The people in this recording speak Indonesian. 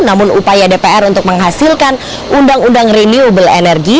namun upaya dpr untuk menghasilkan undang undang renewable energy